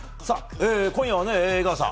今夜は江川さん